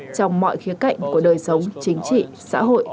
trong mọi khía cạnh của đời sống chính trị xã hội